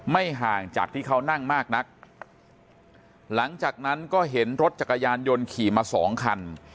ไม่ห่างจากที่เขานั่งมากนักหลังจากนั้นก็เห็นรถจักรยานยนต์ขี่มาสองคัน